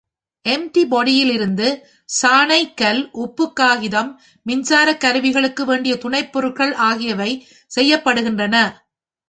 Emery பொடியிலிருந்து, சாணைக்கல், உப்புக் காகிதம், மின்சாரக் கருவிகளுக்கு வேண்டிய துணைப் பொருள்கள் ஆகியவை செய்யப்படுகின்றன.